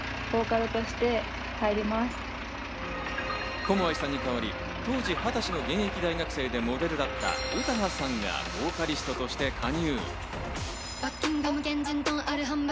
コムアイさんに代わり、当時２０歳の現役大学生でモデルだった詩羽さんがボーカリストとして加入。